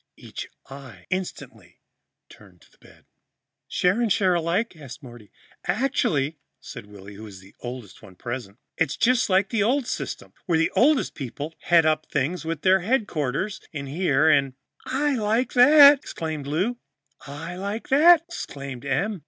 Each eye turned instantly to the bed. "Share and share alike?" asked Morty. "Actually," said Willy, who was the oldest one present, "it's just like the old system, where the oldest people head up things with their headquarters in here and " "I like that!" exclaimed Em.